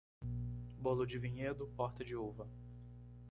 Bolo de vinhedo, porta de uva.